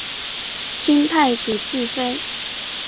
清太祖继妃。